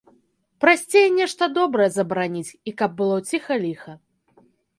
Прасцей нешта добрае забараніць, і каб было ціха-ліха.